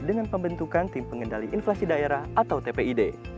dengan pembentukan tim pengendali inflasi daerah atau tpid